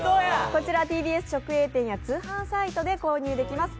こちらＴＢＳ直営店や通販サイトで購入できます。